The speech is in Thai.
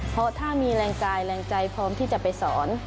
เพราะถ้ามีแรงกายแรงใจพร้อมที่จะไปสอน